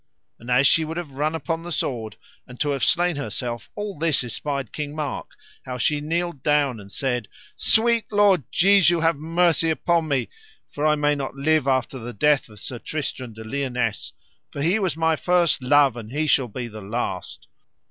And as she would have run upon the sword and to have slain herself all this espied King Mark, how she kneeled down and said: Sweet Lord Jesu, have mercy upon me, for I may not live after the death of Sir Tristram de Liones, for he was my first love and he shall be the last.